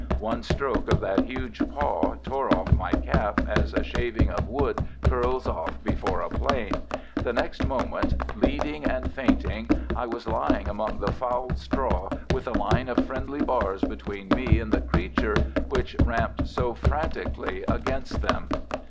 One stroke of that huge paw tore off my calf as a shaving of wood curls off before a plane. The next moment, bleeding and fainting, I was lying among the foul straw with a line of friendly bars between me and the creature which ramped so frantically against them.